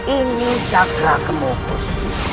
ini cakra kemukus